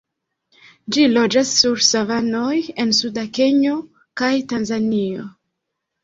Ĝi loĝas sur savanoj en suda Kenjo kaj Tanzanio.